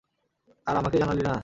আর আমাকেই জানালি না?